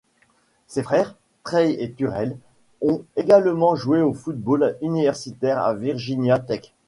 Ses frères, Trey et Terrell, ont également joué au football universitaire à Virginia Tech.